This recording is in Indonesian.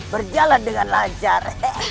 berjalan dengan lancar